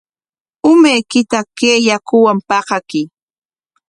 Umaykita kay yakuwan paqakuy.